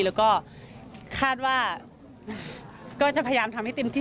แล้วก็คาดว่าก็จะพยายามทำให้เต็มที่